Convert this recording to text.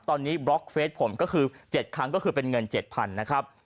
ตอนนี้บล็อกเฟสผมก็คือ๗ครั้งก็คือเป็นเงิน๗๐๐นะครับ